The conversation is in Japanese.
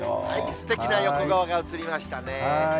すてきな横顔が映りましたね。